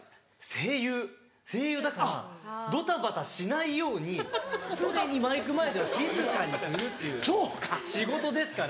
声優声優だからドタバタしないように常にマイク前では静かにするっていう仕事ですから。